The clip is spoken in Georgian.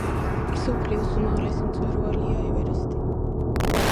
მსოფლიოს უმაღლესი მწვერვალია ევერესტი.